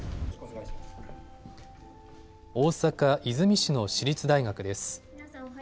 大阪和泉市の私立大学です。